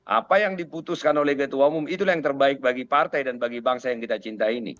apa yang diputuskan oleh ketua umum itulah yang terbaik bagi partai dan bagi bangsa yang kita cintai ini